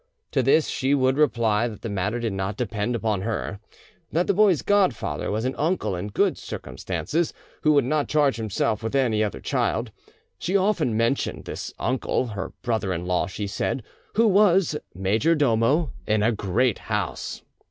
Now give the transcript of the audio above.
To this she would reply that the matter did not depend upon her; that the boy's godfather was an uncle in good circumstances, who would not charge himself with any other child. She often mentioned this uncle, her brother in law, she said, who was major domo in a great house.